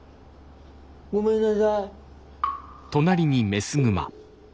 ごめんなさい。